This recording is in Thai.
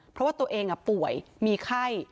เพราะว่าตัวเองป่วยมีไข้